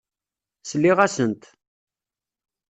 Sliɣ-asent.